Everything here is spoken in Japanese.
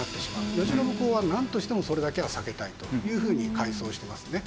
慶喜公はなんとしてもそれだけは避けたいというふうに回想していますね。